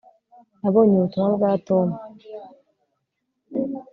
nabonye ubutumwa bwa tom